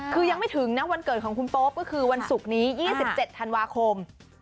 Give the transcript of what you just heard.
คือยังไม่ถึงนะวันเกิดของคุณโป๊ปก็คือวันศุกร์นี้๒๗ธันวาคม